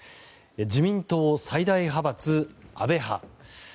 自民党最大派閥の安倍派。